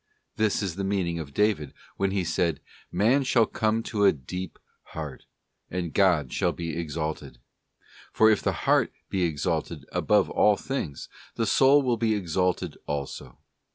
This is the meaning of David when he said: 'Man shall come to a deep heart, and God shall be exalted ;'+ for if the heart be exalted above all things, the soul will be exalted also.